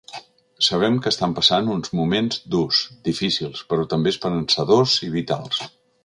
Sabem que estan passant uns moments durs, difícils, però també esperançadors i vitals.